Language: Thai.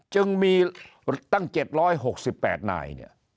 จึงมีตั้ง๗๖๘นาย